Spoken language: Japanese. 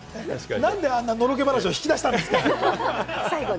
なんであんな、のろけ話を引き出したんですか？